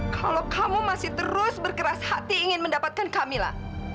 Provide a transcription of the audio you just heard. kalau kamu masih terus berkeras hati ingin mendapatkan kamila